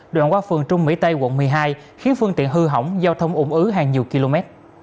đoạn qua phường trung mỹ tây quận một mươi hai khiến phương tiện hư hỏng giao thông ủng ứ hàng nhiều km